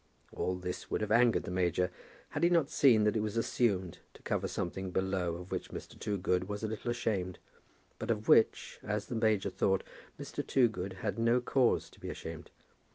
All this would have angered the major, had he not seen that it was assumed to cover something below of which Mr. Toogood was a little ashamed, but of which, as the major thought, Mr. Toogood had no cause to be ashamed.